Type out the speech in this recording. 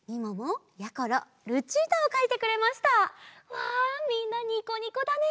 わみんなニコニコだね！